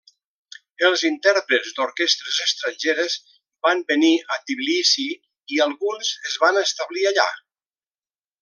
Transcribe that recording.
Els intèrprets d'orquestres estrangeres van venir a Tbilissi i alguns es van establir allà.